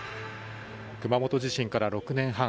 熊本地震から６年半。